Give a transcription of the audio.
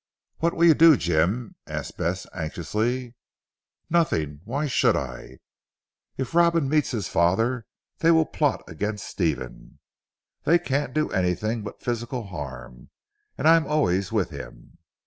"What will you do Jim?" asked Bess anxiously. "Nothing. Why should I?" "If Robin meets his father they will plot against Stephen." "They can't do anything but physical harm, and I am always with him."